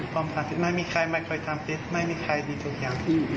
ผมทำศิษย์ไม่มีใครไม่เคยทำศิษย์ไม่มีใครดีทุกอย่าง